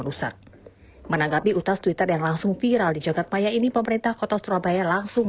rusak menanggapi utas twitter yang langsung viral di jagad paya ini pemerintah kota surabaya langsung